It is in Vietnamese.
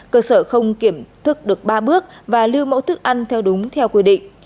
cơ sở không kiểm thức được ba bước và lưu mẫu thức ăn theo đúng theo quy định